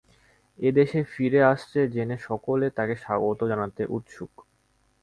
এদেশে ফিরে আসছে জেনে সকলে তাকে স্বাগত জানাতে উৎসুক।